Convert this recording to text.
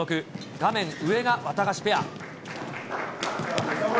画面上がワタガシペア。